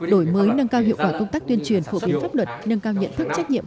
đổi mới nâng cao hiệu quả công tác tuyên truyền phổ biến pháp luật nâng cao nhận thức trách nhiệm